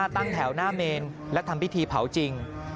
ตั้งแถวหน้าเมนและทำพิธีเผาจริง